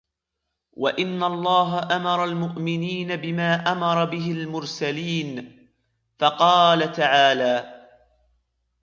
وإِنَّ اللهَ أَمَرَ الْمُؤْمِنِينَ بِمَا أَمَرَ بِهِ الْمُرْسَلِينَ، فَقَالَ تَعَالَى: